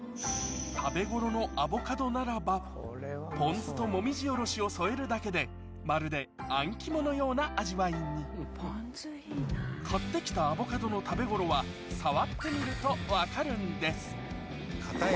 食べごろのアボカドならばポン酢ともみじおろしを添えるだけでまるであん肝のような味わいに買って来たアボカドの食べごろは触ってみると分かるんです硬い